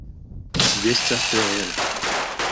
Vi estas tre lerta!